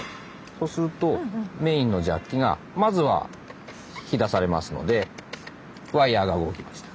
そうするとメインのジャッキがまずは引き出されますのでワイヤーが動きました。